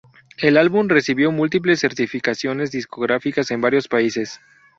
El álbum recibió múltiples certificaciones discográficas en varios países.